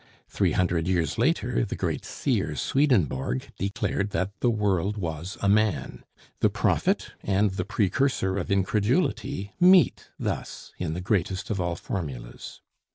Three hundred years later, the great seer Swedenborg declared that "the world was a man." The prophet and the precursor of incredulity meet thus in the greatest of all formulas.